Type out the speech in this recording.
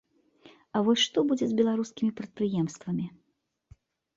А вось што будзе з беларускімі прадпрыемствамі?